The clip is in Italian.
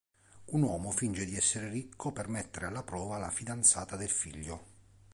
Un uomo finge di essere ricco per mettere alla prova la fidanzata del figlio.